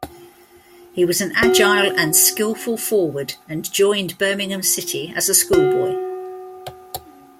He was an agile and skilful forward and joined Birmingham City as a schoolboy.